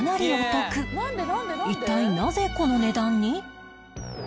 一体なぜこの値段に？